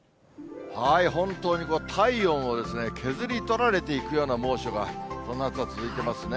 本当に体温を削り取られていくような猛暑が、この夏は続いてますね。